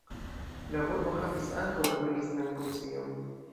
La burgo havis ankaŭ administran funkcion.